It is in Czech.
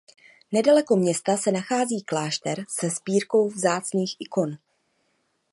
Nedaleko města se nachází klášter se sbírkou vzácných ikon.